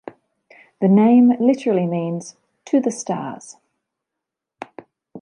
The name literally means "To the Stars".